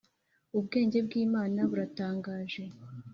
ubwenge bw Imana buratangaje